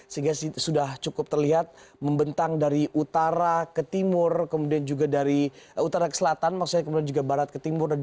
sehingga sudah cukup terlihat membentang dari utara ke timur kemudian juga dari utara ke selatan maksudnya kemudian juga barat ke timur